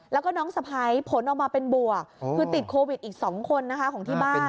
แล้วก็น้องสะพ้ายผลออกมาเป็นบวกคือติดโควิดอีก๒คนนะคะของที่บ้าน